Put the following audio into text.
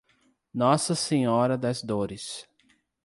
Nossa Senhora das Dores